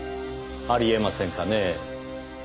あり得ませんかねぇ？